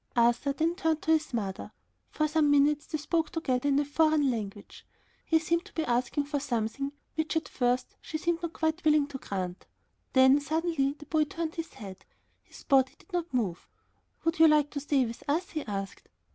Arthur then turned to his mother. For some minutes they spoke together in a foreign language. He seemed to be asking for something which at first she seemed not quite willing to grant. Then, suddenly, the boy turned his head. His body did not move. "Would you like to stay with us?" he asked.